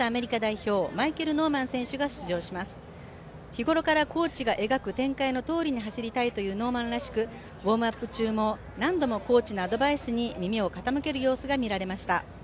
日頃からコーチが描く展開のとおりに走りたいというノーマンらしく、ウオームアップ中も何度もコーチのアドバイスに耳を傾ける様子がみられました。